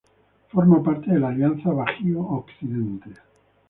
Forma parte de la Alianza Bajío-Occidente.